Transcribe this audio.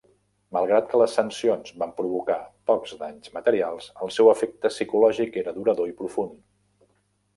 Malgrat que les sancions van provocar pocs danys materials, el seu efecte psicològic era durador i profund.